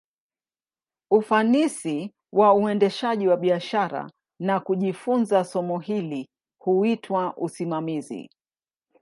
Ufanisi wa uendeshaji wa biashara, na kujifunza somo hili, huitwa usimamizi.